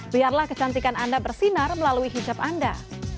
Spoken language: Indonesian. biarlah kecantikan anda bersinar melalui hijab anda